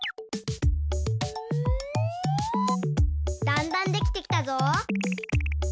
だんだんできてきたぞ。